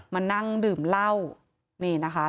มานั่งดื่มเหล้านี่นะคะ